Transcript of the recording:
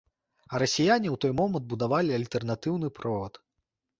А расіяне ў той момант будавалі альтэрнатыўны провад.